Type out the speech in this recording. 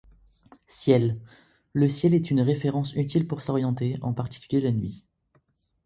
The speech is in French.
Ciel: Le ciel est une référence utile pour s'orienter, en particulier la nuit.